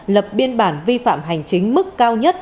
lập biên bản vi phạm hành chính mức cao nhất